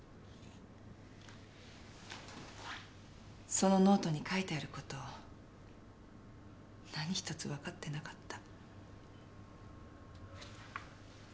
そのノ−トに書いてあること何一つ分かってなかった。